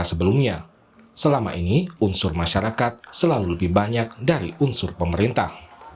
sebelumnya selama ini unsur masyarakat selalu lebih banyak dari unsur pemerintah